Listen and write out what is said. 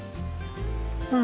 うん。